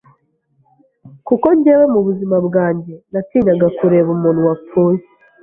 kuko njyewe mu buzima bwanjye natinyaga kureba umuntu wapfuye